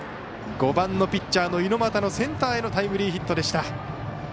５番のピッチャーの猪俣のセンターへのタイムリーヒットでした。